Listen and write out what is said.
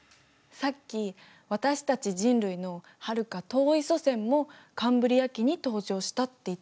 さっき「私たち人類のはるか遠い祖先もカンブリア紀に登場した」って言ってたよね？